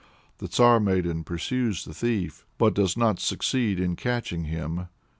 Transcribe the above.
The Tsar Maiden pursues the thief, but does not succeed in catching him.